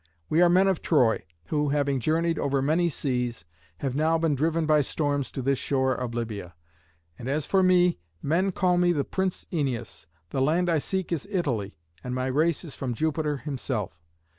We are men of Troy, who, having journeyed over many seas, have now been driven by storms to this shore of Lybia. And as for me, men call me the prince Æneas. The land I seek is Italy, and my race is from Jupiter himself.